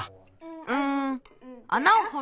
うんあなをほる